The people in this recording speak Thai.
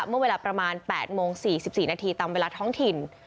เมื่อเวลาประมาณ๘โมง๔๔นาทีตามเวลาท้องถิ่น